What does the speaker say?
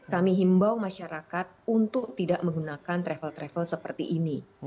kami himbau masyarakat untuk tidak menggunakan travel travel seperti ini